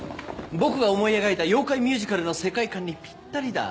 僕が思い描いた妖怪ミュージカルの世界観にぴったりだ。